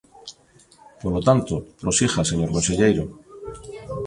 Polo tanto, prosiga, señor conselleiro.